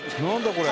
これ」